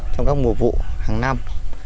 trong các mùa vụ hàng năm